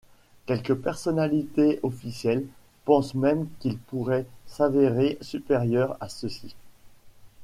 Quelques personnalités officielles pensent même qu’il pourrait s’avérer supérieur à ceux-ci.